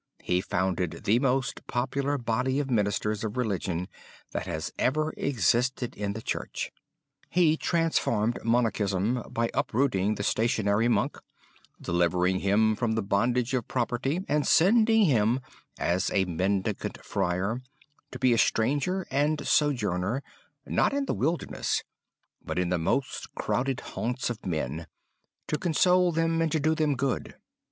He founded the most popular body of ministers of religion that has ever existed in the Church. He transformed monachism by uprooting the stationary monk, delivering him from the bondage of property, and sending him, as a mendicant friar, to be a stranger and sojourner, not in the wilderness, but in the most crowded haunts of men, to console them and to do them good.